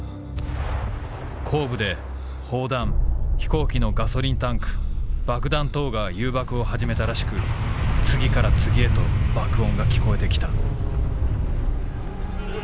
後部で砲弾飛行機のガソリンタンク爆弾等が誘爆を始めたらしく次から次へと爆音が聞こえて来た」。